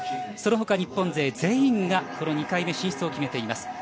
その他、日本勢全員がこの２回目進出を決めています。